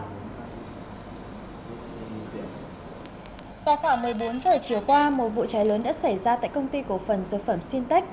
trong khoảng một mươi bốn thời chiều qua một vụ cháy lớn đã xảy ra tại công ty cổ phần dược phẩm sintec